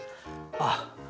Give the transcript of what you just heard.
あっ！